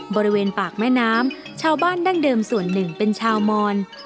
บริเวณปากแม่น้ำชาวบ้านดั้งเดิมส่วนหนึ่งเป็นชาวมอน